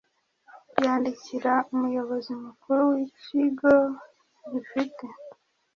yandikira Umuyobozi Mukuru w Ikigo gifite